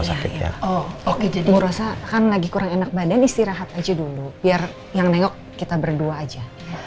oh oke jadi ngerasa kan lagi kurang enak badan istirahat aja dulu biar yang nengok kita berdua aja